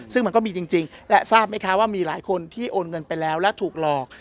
ซึ่งมันก็มีจริงและทราบไหมคะว่ามีหลายคนที่โอนเงินไปแล้วและถูกหลอก